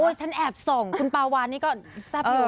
โอ๊ยฉันแอบส่งคุณปลาวานนี่ก็ซับเหรอ